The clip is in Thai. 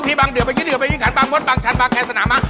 บังพิบังเดือบยิ่งเดือบยิ่งหันบางมดบางชันบางแคสนามัง